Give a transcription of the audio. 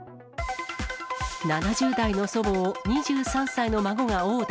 ７０代の祖母を２３歳の孫が殴打。